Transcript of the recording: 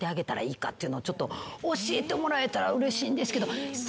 教えてもらえたらうれしいんですけど。